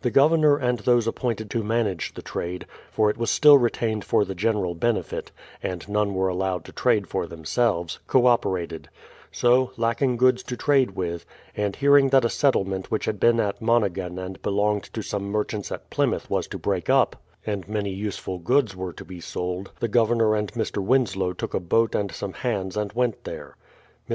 The Gov ernor and those appointed to manage the trade (for it was still retained for the general benefit, and none were allowed to trade for themselves) co operated; so, lacking goods to trade with, and hearing that a settlement which had been at Monhegan and belonged to some merchants at Plymouth was to break up, and many useful goods were to be sold, the Governor and Mr. Winslow took a boat and some hands and went there. Mr.